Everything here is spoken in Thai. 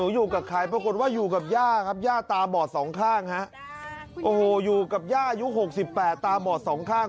อยู่กับย่าครับย่าตาบอด๒ข้างฮะโอ้โฮอยู่กับย่ายุค๖๘ตาบอด๒ข้าง